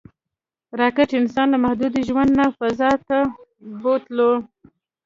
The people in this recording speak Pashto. راکټ انسان له محدود ژوند نه فضا ته بوتلو